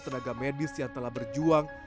tenaga medis yang telah berjuang